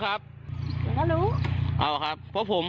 ครับอย่างก็รู้อ้าวครับเพราะผม